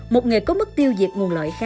một nghề có mức tiêu diệt nguồn loại khá cao